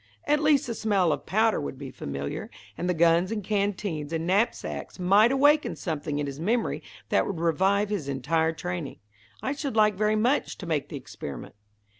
At least the smell of powder would be familiar, and the guns and canteens and knapsacks might awaken something in his memory that would revive his entire training. I should like very much to make the experiment."